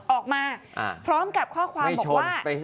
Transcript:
ออกมาพร้อมกับข้อความบอกว่า